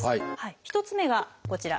１つ目がこちら。